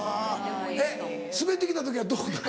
えっスベってきた時はどうなる？